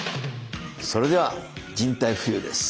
それでは人体浮遊です。